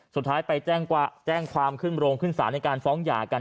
สุดท้ายไปแจ้งความขึ้นโรงขึ้นศาลในการฟ้องหย่ากัน